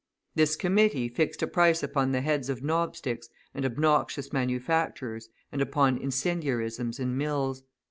This committee fixed a price upon the heads of knobsticks and obnoxious manufacturers and upon incendiarisms in mills.